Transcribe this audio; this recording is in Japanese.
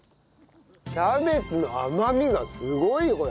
キャベツの甘みがすごいよこれ。